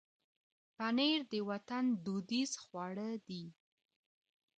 پنېر د وطن دودیز خواړه دي.